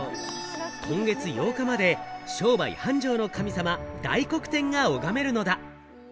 今月８日まで商売繁盛の神様・大黒天が拝めるのだ。